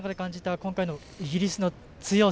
今回のイギリスの強さ。